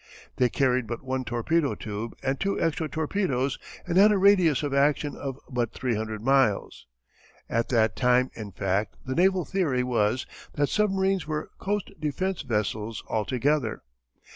They carried but one torpedo tube and two extra torpedoes and had a radius of action of but 300 miles. At that time in fact the naval theory was that submarines were coast defence vessels altogether.